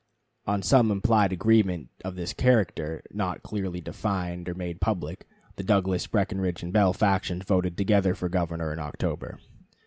On some implied agreement of this character, not clearly defined or made public, the Douglas, Breckinridge, and Bell factions voted together for governor in October.